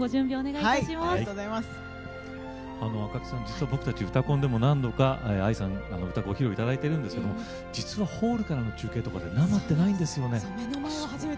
赤木さん、実は僕たち「うたコン」でも何度か、ＡＩさん、歌ご披露いただいてるんですけど実は、ホールからの中継とかで生ってないんですよね。